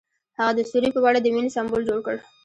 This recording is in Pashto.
هغه د ستوري په بڼه د مینې سمبول جوړ کړ.